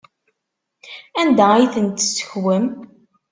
Anda ay ten-tessekwem?